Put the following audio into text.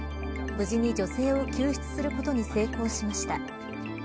無事に女性を救出することに成功しました。